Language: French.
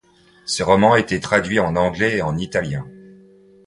Ce roman a été traduit en anglais et en italien.